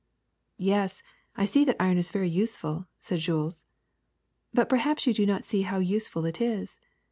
''*^ Yes, I see that iron is very useful,'' said Jules. ^'But perhaps you do not see how useful it is.